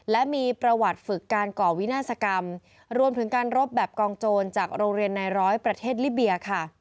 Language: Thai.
และมีประวัติฝึกการก่อวินาศกรรมรวมถึงการรบแบบกองโจรจากโรงเรียนนายร้อยประเทศลิเบียค่ะ